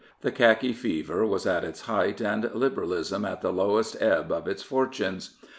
The Khaki fever was at its height, and Liberalism at the lowest ebb of its fortunes.